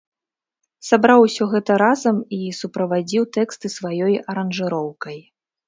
Сабраў усё гэта разам і суправадзіў тэксты сваёй аранжыроўкай.